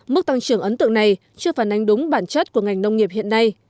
mức tăng trưởng ấn tượng này chưa phản ánh đúng bản chất của ngành nông nghiệp hiện nay